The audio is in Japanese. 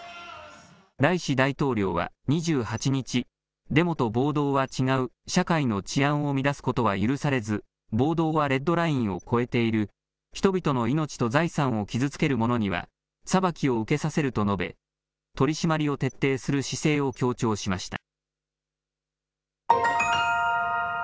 ライシ大統領は２８日、デモと暴動は違う、社会の治安を乱すことは許されず、暴動はレッドラインを越えている、人々の命と財産を傷つける者には裁きを受けさせると述べ、取締りを徹底する姿勢を強調しました。